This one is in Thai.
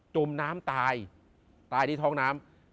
จมน้ำตายตายที่ท้องน้ำ